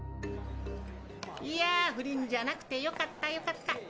いや不倫じゃなくてよかったよかった。